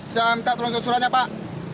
saya minta tolong sesuatnya pak